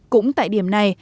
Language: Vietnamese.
cũng tại điểm này